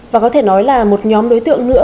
và có thể nói là một nhóm đối tượng nữa